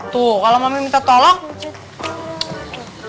tuh kalau mama minta tolong